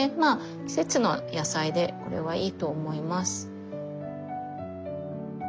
季節の野菜でこれはいいと思います。